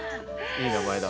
いい名前だ。